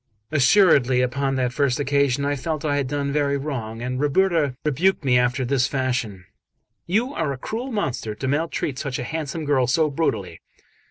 Assuredly, upon that first occasion, I felt I had done very wrong, and Ruberta rebuked me after this fashion: "You are a cruel monster to maltreat such a handsome girl so brutally."